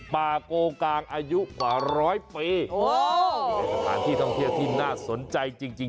ป่าโกงกางอายุกว่าร้อยปีโอ้โหที่ท่องเทียดที่น่าสนใจจริงจริง